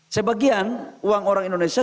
sebagian uang orang indonesia